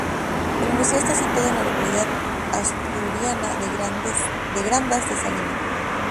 El museo está situado en la localidad asturiana de Grandas de Salime.